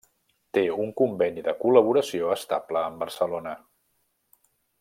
Té un conveni de col·laboració estable amb Barcelona.